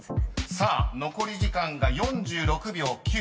［さあ残り時間が４６秒９］